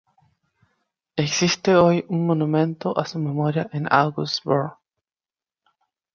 Existe hoy un monumento a su memoria en Augsburg.